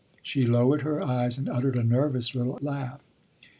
She lowered her eyes and uttered a nervous little laugh.